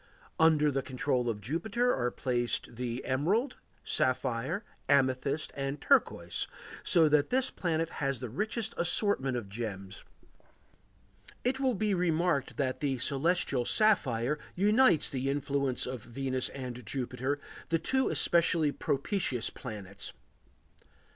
Under the control of Jupiter are placed the emerald, sapphire, amethyst, and turquoise, so that this planet has the richest assortment of gems; it will be remarked that the celestial sapphire unites the influence of Venus and Jupiter, the two especially propitious planets.